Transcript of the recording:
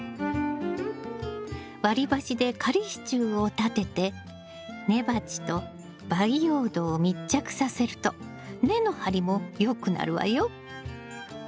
割り箸で仮支柱を立てて根鉢と培養土を密着させると根の張りもよくなるわよ。